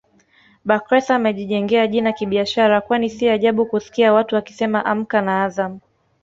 Bakhresa amejijengea jina kibiashara kwani si ajabu kusikia watu wakisema Amka na Azam